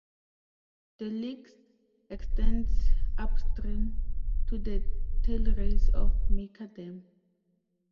The lakes extends upstream to the tailrace of Mica Dam.